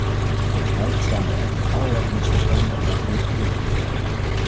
Volgens mij bestaan er echter allerlei misverstanden over onze bedoelingen.